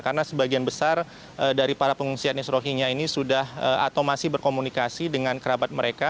karena sebagian besar dari para pengungsi etnis rohinia ini sudah atau masih berkomunikasi dengan kerabat mereka